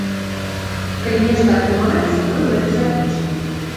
Калі нешта атрымаецца, мы гэта запішам.